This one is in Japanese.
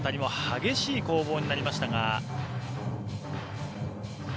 激しい攻防になりました。